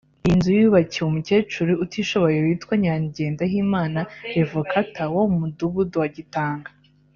Iyi nzu yubakiwe umukecuru utishoboye witwa Nyirangendahimana Revocata wo mu Mudugudu wa Gitanga